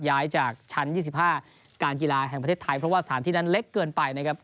ย้ายจากชั้น๒๕การกีฬาแห่งประเทศไทยเพราะว่าสถานที่นั้นเล็กเกินไปนะครับ